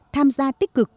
tham gia tích cực